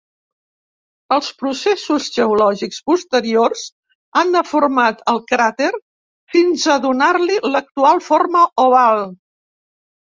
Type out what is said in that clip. Els processos geològics posteriors han deformat el cràter fins a donar-li l'actual forma oval.